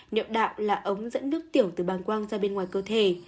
niệu đạo là ống dẫn nước tiểu từ bàn quang ra bên ngoài cơ thể